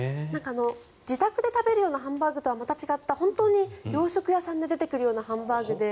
自宅で食べるようなハンバーグとはまた違った本当に洋食屋さんで出てくるようなハンバーグで。